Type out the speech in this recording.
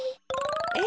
え